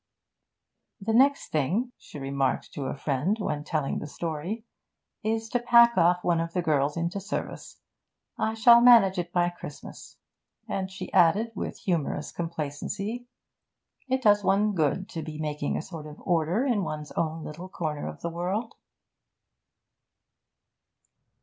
'The next thing,' she remarked to a friend, when telling the story, 'is to pack off one of the girls into service. I shall manage it by Christmas,' and she added with humorous complacency, 'it does one good to be making a sort of order in one's own little corner of the world.'